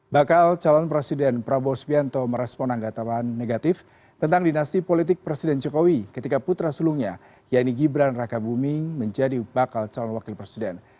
bakal calon presiden prabowo sbianto merespon anggota pan negatif tentang dinasti politik presiden jokowi ketika putra sulungnya yaitu gibran raka buming menjadi bakal calon wakil presiden